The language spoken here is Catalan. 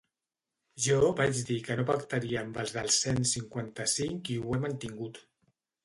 Jo vaig dir que no pactaria amb els del cent cinquanta-cinc i ho he mantingut.